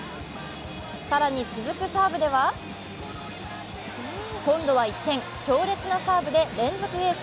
更に続くサーブでは今度は一転、強烈なサーブで連続エース。